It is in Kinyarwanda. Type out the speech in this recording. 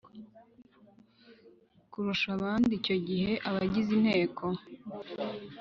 Kurusha abandi icyo gihe abagize inteko